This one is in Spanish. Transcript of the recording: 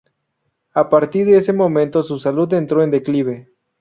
A partir de ese momento su salud entró en declive.